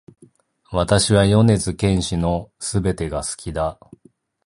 私は米津玄師の全てが好きだ